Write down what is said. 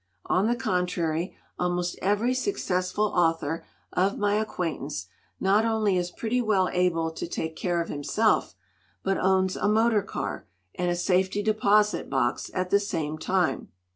On the contrary, almost every suc cessful author of my acquaintance not only is pretty well able to take care of himself, but owns a motor car and a safety deposit box at the same time.